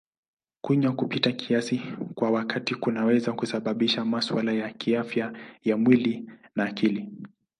Kunywa kupita kiasi kwa wakati kunaweza kusababisha masuala ya kiafya ya mwili na akili.